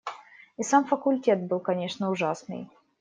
И сам факультет был, конечно, ужасный.